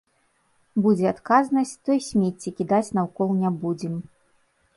Будзе адказнасць, то і смецце кідаць наўкол не будзем.